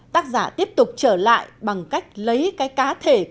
tác giả tiếp tục trở lại bằng cách lấy cái cá thể của họ